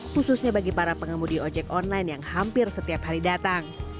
khususnya bagi para pengemudi ojek online yang hampir setiap hari datang